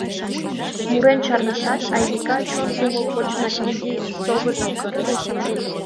Мурен чарныштат, Айвика чон кумыл почынак изи совыжым кырыш.